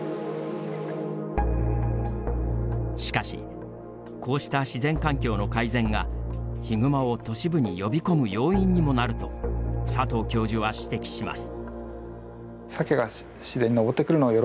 しかしこうした自然環境の改善がヒグマを都市部に呼び込む要因にもなると佐藤教授は指摘します。